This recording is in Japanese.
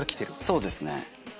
そうですね。